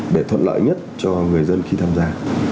để thuận lợi nhất cho người dân khi tham gia